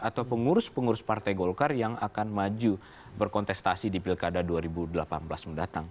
atau pengurus pengurus partai golkar yang akan maju berkontestasi di pilkada dua ribu delapan belas mendatang